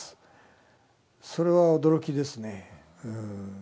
それは驚きですねうん。